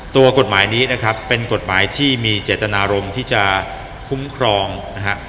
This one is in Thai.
ตัวกฎหมายนี้นะครับเป็นกฎหมายที่มีเจตนารมณ์ที่จะคุ้มครองนะฮะ